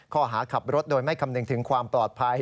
ข้อหาขับรถโดยไม่คำนึงถึงความปลอดภัย